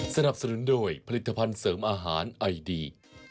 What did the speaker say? สนับสนุนโดยผลิตภัณฑ์เสริมอาหารไอดี